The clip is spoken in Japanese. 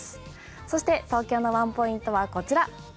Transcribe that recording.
そして東京のワンポイントはこちら。